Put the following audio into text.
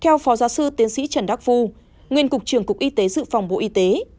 theo phó giáo sư tiến sĩ trần đắc phu nguyên cục trưởng cục y tế dự phòng bộ y tế